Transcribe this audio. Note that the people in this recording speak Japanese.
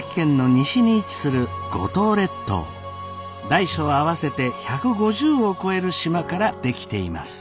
大小合わせて１５０を超える島から出来ています。